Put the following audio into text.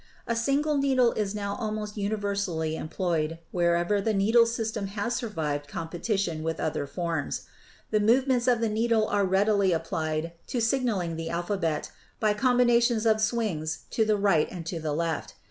A single needle is now almost universally employed wher ever the needle system has survived competition with other forms. The movements of the needle are readily applied to signaling the alphabet by combinations of swings to the right and to the left.